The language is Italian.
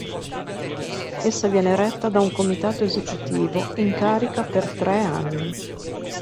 Essa viene retta da un comitato esecutivo in carica per tre anni.